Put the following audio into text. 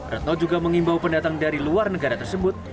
retno juga mengimbau pendatang dari luar negara tersebut